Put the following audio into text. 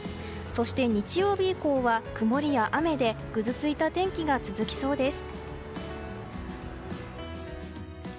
そして日曜日以降は曇りや雨でぐずついた天気が続きそうです。